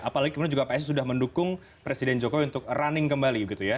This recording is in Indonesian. apalagi kemudian juga psi sudah mendukung presiden jokowi untuk running kembali gitu ya